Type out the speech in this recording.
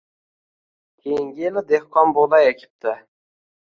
Keyingi yili dehqon bug’doy ekibdi